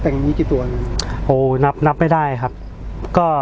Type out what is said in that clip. พี่ชอบจริงบอกว่าชอบทุก